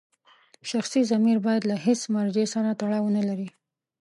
شخصي ضمیر باید له هېڅ مرجع سره تړاو ونلري.